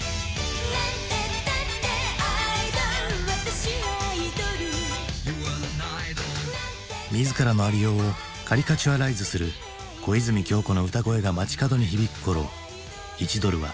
「なんてったってアイドル私はアイドル」自らの在りようをカリカチュアライズする小泉今日子の歌声が街角に響くころ１ドルは２００円に。